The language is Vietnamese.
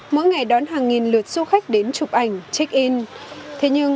mỗi ngày đón hàng nghìn lượt du khách đến chụp ảnh check in